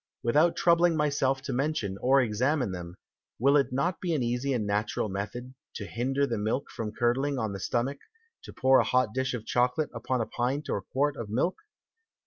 Without troubling myself to mention or examine them, will it not be an easy and natural Method, to hinder the Milk from curdling on the Stomach, to pour a hot Dish of Chocolate upon a Pint or Quart of Milk?